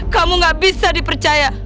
kamu gak bisa dipercaya